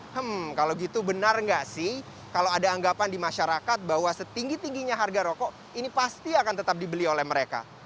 hmm kalau gitu benar nggak sih kalau ada anggapan di masyarakat bahwa setinggi tingginya harga rokok ini pasti akan tetap dibeli oleh mereka